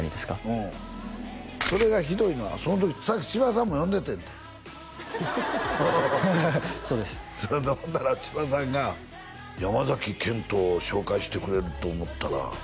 うんそれがひどいのはその時先千葉さんも呼んでてんってそうですそれでほんなら千葉さんが「山賢人を紹介してくれると思ったら」